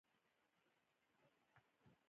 د همدې وسایلو په مرسته انسانانو کار کاوه.